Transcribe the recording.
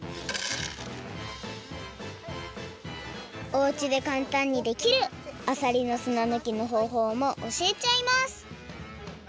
おうちでかんたんにできるあさりのすなぬきのほうほうもおしえちゃいます！